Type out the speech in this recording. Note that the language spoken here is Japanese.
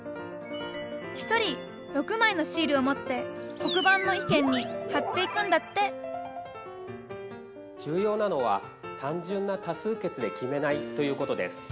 １人６枚のシールを持って黒板の意見に貼っていくんだって重要なのは単純な多数決で決めないということです。